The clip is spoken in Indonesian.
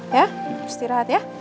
ya mesti rahat ya